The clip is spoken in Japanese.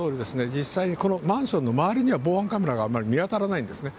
実際にこのマンションの周りには、防犯カメラがあんまり見当たらないんですね。